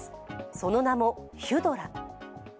その名もヒュドラ。